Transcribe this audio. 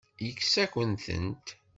Yekkes-akent-tent.